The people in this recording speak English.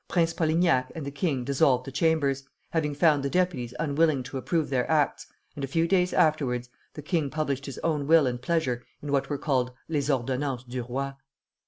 Prince Polignac and the king dissolved the Chambers, having found the deputies unwilling to approve their acts, and a few days afterwards the king published his own will and pleasure in what were called Les Ordonnances du Roi.